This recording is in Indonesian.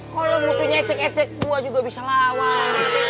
kalau musuhnya ecek ecek buah juga bisa lawan